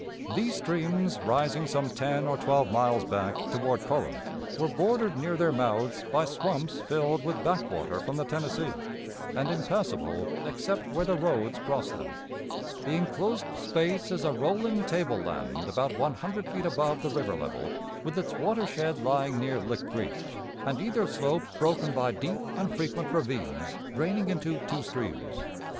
These streams, rising some ten or twelve miles back, toward Corinth, were bordered near their mouths by swamps filled with backwater from the Tennessee, and impassable except where the roads crossed them. [Map used by the Confederate generals at Shiloh] The inclosed space is a rolling table land, about one hundred feet above the river level, with its water shed lying near Lick Creek, and either slope broken by deep and frequent ravines draining into two streams.